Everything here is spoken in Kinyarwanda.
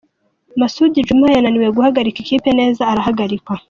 Masudi Juma yananiwe guhagarika ikipe neza arahagarikwa.